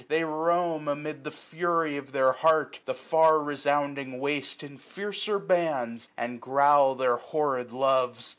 They roam, amid the fury of their heart, 815 The &r resounding waste in fiercer bands. And growl their horrid loves.